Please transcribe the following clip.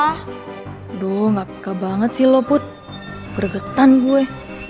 aduh gak peka banget sih lo put gregetan gue